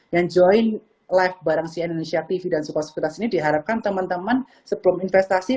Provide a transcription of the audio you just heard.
yang join live bareng cia indonesia tv dan sekolah sekuritas ini diharapkan teman teman sebelum investasi